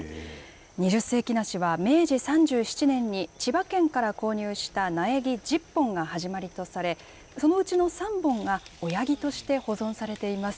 二十世紀梨は明治３７年に、千葉県から購入した苗木１０本が始まりとされ、そのうちの３本が、親木として保存されています。